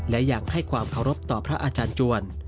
และยังให้ความเคารพต่อพระอาจารย์จวน